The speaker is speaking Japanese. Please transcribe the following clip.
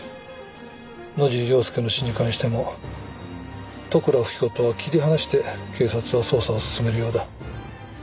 野尻要介の死に関しても利倉富貴子とは切り離して警察は捜査を進めるようだ。